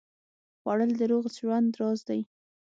خوړل د روغ ژوند راز دی